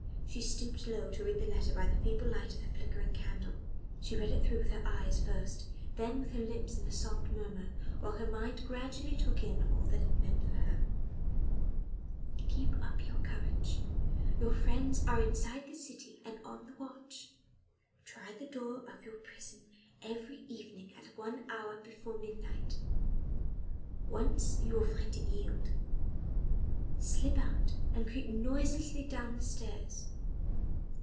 She stooped low to read the letter by the feeble light of the flickering candle. She read it through with her eyes first then with her lips in a soft murmur, while her mind gradually took in all that it meant for her. "Keep up your courage. Your friends are inside the city and on the watch. Try the door of your prison every evening at one hour before midnight. Once you will find it yield. Slip out and creep noiselessly down the stairs.